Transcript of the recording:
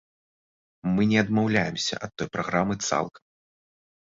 Мы не адмаўляемся ад той праграмы цалкам.